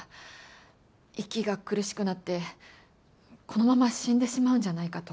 息が苦しくなってこのまま死んでしまうんじゃないかと。